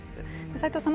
齊藤さん